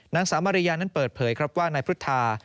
นางสาวมาริยานั้นเปิดเผยครับว่านายพุทธา